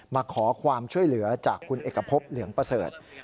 มาขอความช่วยเหลือจากคุณเอกพบเหลืองประเสริฐ